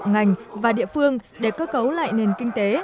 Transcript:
ngành và địa phương để cơ cấu lại nền kinh tế